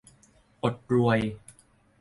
อดรวย